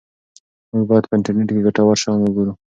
موږ باید په انټرنیټ کې ګټور شیان وګورو.